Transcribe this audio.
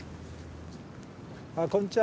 あっこんにちは。